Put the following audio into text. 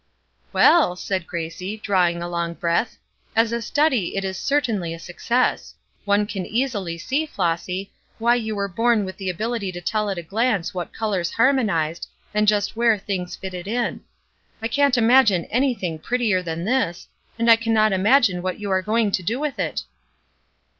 "Well," said Gracie, drawing a long breath, "as a study it is certainly a success. One can easily see, Flossy, why you were born with the ability to tell at a glance what colors harmonized, and just where things fitted in. I can't imagine anything prettier than this, and I cannot imagine what you are going to do with it."